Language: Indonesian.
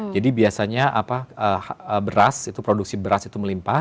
jadi biasanya beras itu produksi beras itu melimpah